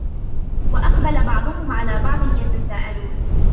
وأقبل بعضهم على بعض يتساءلون